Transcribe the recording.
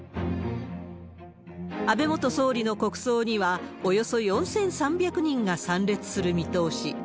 安倍元総理の国葬には、およそ４３００人が参列する見通し。